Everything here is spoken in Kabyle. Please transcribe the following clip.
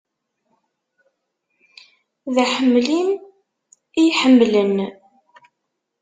D aḥemmel-im i y-iḥemmlen.